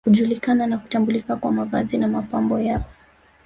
Hujulikana na kutambulika kwa mavazi na mapambo yao